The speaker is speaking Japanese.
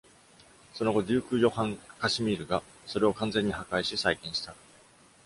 その後、Duke Johann Casimir がそれを完全に破壊し再建した。